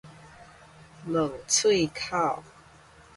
門喙口